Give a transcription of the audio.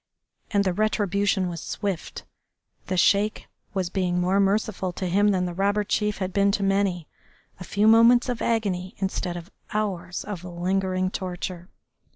And the retribution was swift. The Sheik was being more merciful to him than the robber chief had been to many, a few moments of agony instead of hours of lingering torture.